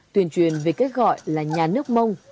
tuyên truyền về cách gọi là nhà nước mông